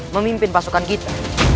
memimpin pasukan kita